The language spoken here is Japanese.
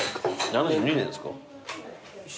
７２年ですか？